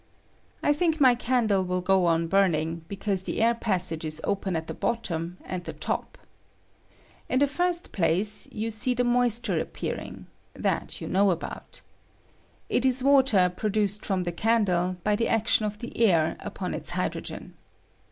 I think my candle will go on burning, because the air passage is open at the bottom and the top. In the first place, you see the moisture appearing — that you know about. It is water produced from the candle by the action of the air upon its hydrogen.